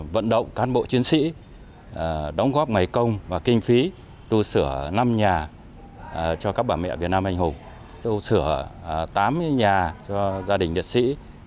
vận động cán bộ chiến sĩ đóng góp ngày công và kinh phí tu sửa năm nhà cho các bà mẹ việt nam anh hùng sửa tám nhà cho gia đình liệt sĩ